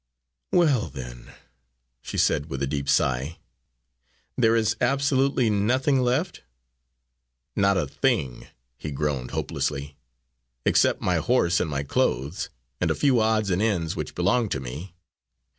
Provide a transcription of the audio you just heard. "Well, then," she said with a deep sigh, "there is absolutely nothing left?" "Not a thing," he groaned hopelessly, "except my horse and my clothes, and a few odds and ends which belong to me.